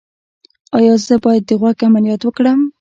ایا زه باید د غوږ عملیات وکړم؟